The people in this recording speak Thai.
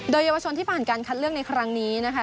โดยเยาวชนที่ผ่านการคัดเลือกในครั้งนี้นะคะ